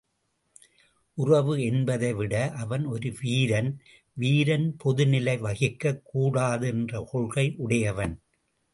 உறவு என்பதை விட அவன் ஒரு வீரன் வீரன் பொதுநிலை வகிக்கக் கூடாது என்ற கொள்கை உடையவன்.